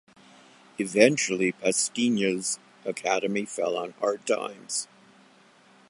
Eventually Pastinha's academy fell on hard times.